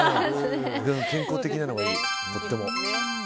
健康的なのがいい、とっても。